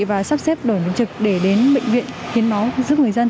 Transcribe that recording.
và sắp xếp đổi mới trực để đến bệnh viện hiến máu giúp người dân